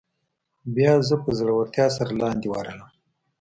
بیا زه په زړورتیا سره لاندې ورغلم.